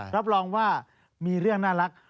รับรองว่ามีเรื่องน่ารัก